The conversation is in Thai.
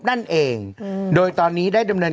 นั่นเองโดยตอนนี้ได้ดำเนิน